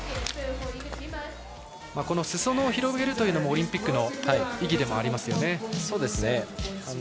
裾野を広げるというのもオリンピックの意義でもありますね。